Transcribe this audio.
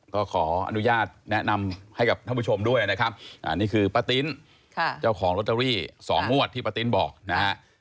ก็ขออนุญาตแนะนำให้กับท่านผู้ชมด้วยนะครับนี่คือป้าติ้นเจ้าของลอตเตอรี่๒งวดที่ป้าติ้นบอกนะฮะ